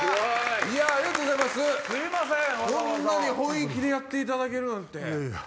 こんなに本意気でやっていただけるなんて。